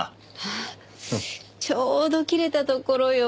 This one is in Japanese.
あっちょうど切れたところよ。